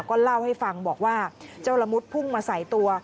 ก็เล่าให้ฟังบอกว่าเจ้าละมุดพุ่งมาใส่ตัว